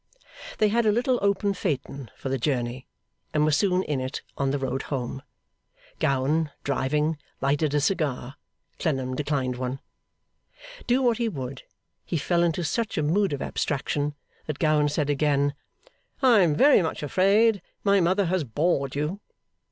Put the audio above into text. They had a little open phaeton for the journey, and were soon in it on the road home. Gowan, driving, lighted a cigar; Clennam declined one. Do what he would, he fell into such a mood of abstraction that Gowan said again, 'I am very much afraid my mother has bored you?